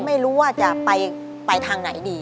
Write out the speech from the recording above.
ไม่รู้ว่าจะไปทางไหนดี